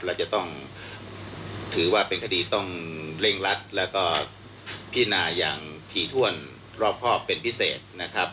เราจะต้องถือว่าเป็นคดีต้องเร่งรัดแล้วก็พินาอย่างถี่ถ้วนรอบครอบเป็นพิเศษนะครับ